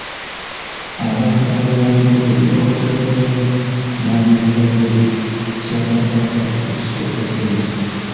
Aba Buganda Land Board bakolaganira wamu n’abekitongole kya Kampala Capital City Authority.